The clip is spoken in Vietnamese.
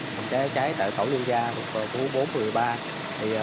phòng cháy chữa cháy tại tổ liên gia phòng phố bốn một mươi ba